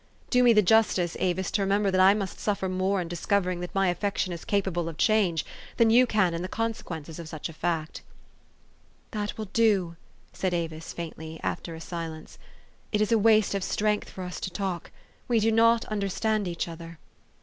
"Do me the justice, Avis,. to remember that I must suffer more in discovering that my affection is capable of change than you can in the consequences of such a fact." "That will do," said Avis faintly, after a silence. "It is a waste of strength for us to talk. We do not understand each other."